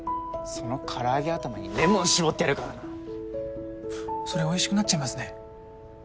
その唐揚げ頭にレモン搾ってやるからなそれおいしくなっちゃいますね